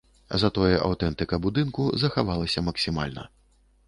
Затое аўтэнтыка будынку захавалася максімальна.